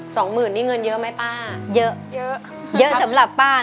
สองหมื่นนี่เงินเยอะไหมป้า